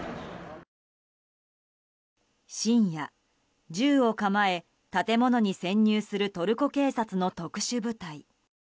深夜、銃を構え建物に潜入するトルコ警察の特殊部隊。